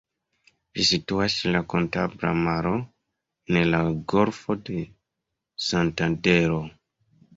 Ĝi situas ĉe la Kantabra Maro, en la Golfo de Santandero.